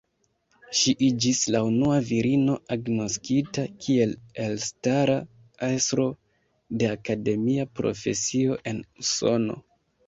Ŝi iĝis la unua virino agnoskita kiel elstara estro de akademia profesio en Usono.